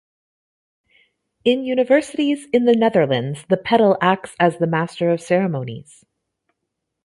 In universities in the Netherlands the pedel acts as a master of ceremonies.